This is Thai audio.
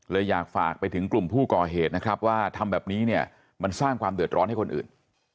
อยากฝากไปถึงกลุ่มผู้ก่อเหตุนะครับว่าทำแบบนี้เนี่ยมันสร้างความเดือดร้อนให้คนอื่น